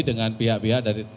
dengan pihak pihak dari